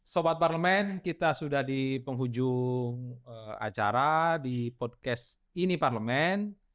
sobat parlemen kita sudah di penghujung acara di podcast ini parlemen